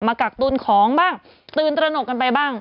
กักตุนของบ้างตื่นตระหนกกันไปบ้าง